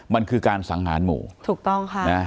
มันคือการสังหารหมู่ถูกต้องค่ะนะ